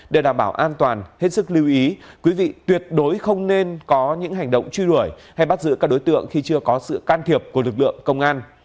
để đảm bảo an toàn hết sức lưu ý quý vị tuyệt đối không nên có những hành động truy đuổi hay bắt giữ các đối tượng khi chưa có sự can thiệp của lực lượng công an